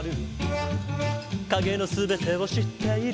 「影の全てを知っている」